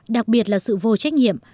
đặc biệt là sự vô trách nhiệm